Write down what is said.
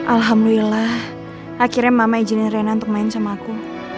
alhamdulillah akhirnya mama ijin rena untuk main sama aku